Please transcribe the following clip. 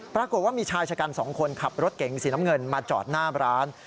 ปรากฏว่ามีชายชะกัน๒คนขับรถเก๋งสีน้ำเงินมาจอดหน้าร้าน